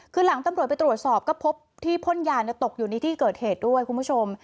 คือหลังตำรวจไปตรวจสอบก็พบที่พ่นยาตกอยู่ในที่เกิดเหตุด้วยคุณผู้ชม